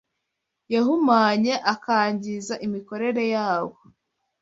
yahumanye akangiza imikorere yawo.